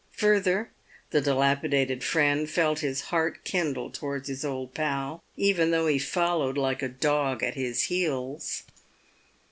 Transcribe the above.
Further, the dilapi dated friend felt his heart kindle towards his old pal, even though he followed like a dog at his heels.